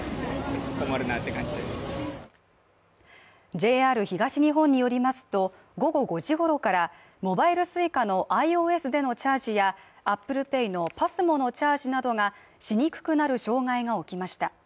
ＪＲ東日本によりますと、午後５時ごろからモバイルＳｕｉｃａのｉＯＳでのチャージやＡｐｐｌｅＰａｙのＰＡＳＭＯのチャージなどがしにくくなる障害が起きました。